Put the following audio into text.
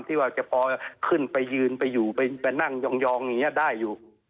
ที่ว่าจะพอขึ้นไปยืนไปอยู่ไปนั่งยองอย่างนี้ได้อยู่